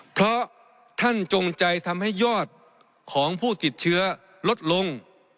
เพราะท่านจงใจทำให้ยอดของผู้ติดเชื้อลดลง